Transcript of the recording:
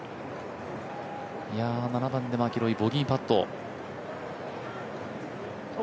７番でマキロイ、ボギーパット。